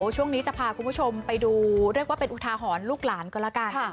ช่วงนี้จะพาคุณผู้ชมไปดูเรียกว่าเป็นอุทาหรณ์ลูกหลานก็แล้วกัน